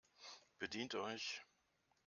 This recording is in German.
Bedient euch!